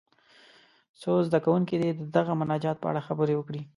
څو زده کوونکي دې د دغه مناجات په اړه خبرې وکړي.